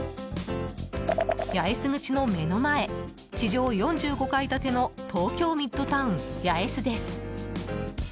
八重洲口の目の前地上４５階建ての東京ミッドタウン八重洲です。